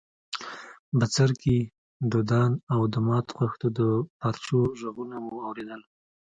بڅرکي، دودان او د ماتو خښتو د پارچو ږغونه مو اورېدل.